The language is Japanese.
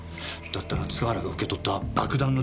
だったら塚原が受け取った爆弾の代金じゃ。